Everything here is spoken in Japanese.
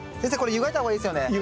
湯がいた方がいいですね。